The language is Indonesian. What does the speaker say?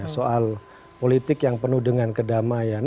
soal politik yang penuh dengan kedamaian